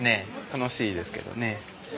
楽しいですけどね。